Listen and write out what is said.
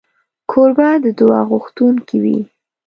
کوربه د دعا غوښتونکی وي.